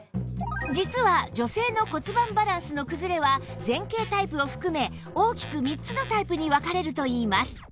実は女性の骨盤バランスの崩れは前傾タイプを含め大きく３つのタイプに分かれるといいます